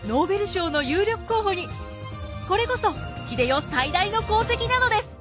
これこそ英世最大の功績なのです。